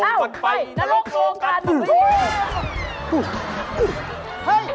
เอ้าไปนรกโลกาตุรี